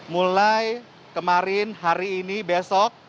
mulai kemarin hari ini besok